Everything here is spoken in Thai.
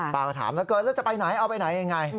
ปากถามแล้วจะไปไหนเอาไปไหนยังไง